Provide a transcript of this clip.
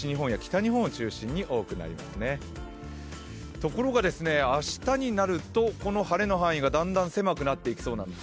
ところが、明日になるとこの晴れの範囲がだんだん狭くなっていきそうなんです。